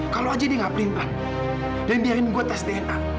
kalau aja dia gak perintah dan biarin gue tas dna